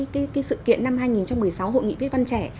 cái sự kiện năm hai nghìn một mươi sáu hội nghị viết văn trẻ